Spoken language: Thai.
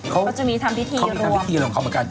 เขาจะมีทำพิธีรวม